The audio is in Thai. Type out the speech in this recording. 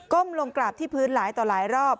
้มลงกราบที่พื้นหลายต่อหลายรอบ